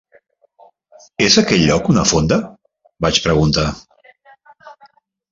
"És aquell lloc una fonda?", vaig preguntar.